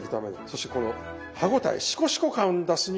そしてこの歯応えしこしこ感を出すには熱湯。